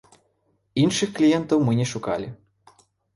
Іншых кліентаў мы не шукалі.